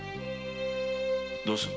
どうする？